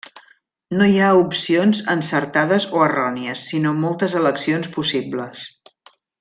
No hi ha opcions encertades o errònies, sinó moltes eleccions possibles.